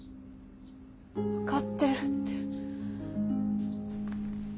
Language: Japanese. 分かってるって。